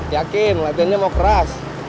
yakin latihannya mau keras